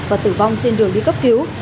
và tử vong trên đường đi cấp cứu